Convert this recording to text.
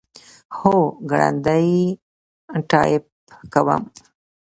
هو، ګړندی ټایپ کوم